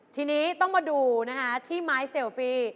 ทีนี้ต้องมาดูนะคะที่ไม้เซลฟี่